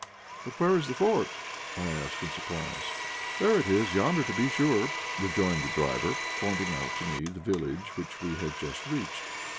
"But where is the fort?" I asked, in surprise. "There it is yonder, to be sure," rejoined the driver, pointing out to me the village which we had just reached.